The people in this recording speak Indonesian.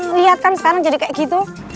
lihatkan sekarang jadi kayak gitu